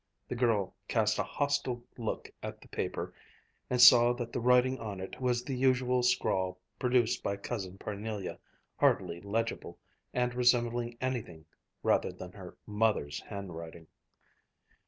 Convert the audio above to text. The girl cast a hostile look at the paper and saw that the writing on it was the usual scrawl produced by Cousin Parnelia, hardly legible, and resembling anything rather than her mother's handwriting.